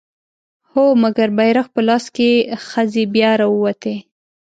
هو! مګر بيرغ په لاس که ښځې بيا راووتې